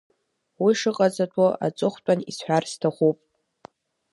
Уи шыҟаҵатәу аҵыхәтәан исҳәарц сҭахуп.